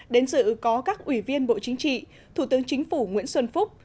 đến dự có các ủy viên bộ chính trị thủ tướng chính phủ nguyễn xuân phúc